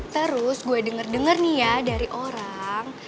terus gue denger denger nih ya dari orang